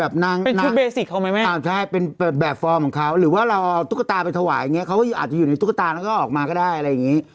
อ่าไม่ใช่เลยนะคะพี่หนุ่มพอตอบว่าอันนี้